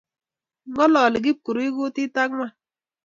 Ngalali Kipkurui kutit angwan